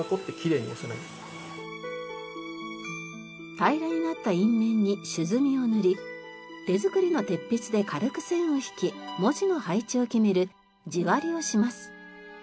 平らになった印面に朱墨を塗り手作りの鉄筆で軽く線を引き文字の配置を決める字割りをします。